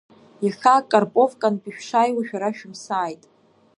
Иахьа Карповкантәи шәшаауа шәара шәымсааит.